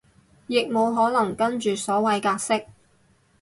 亦無可能跟住所謂格式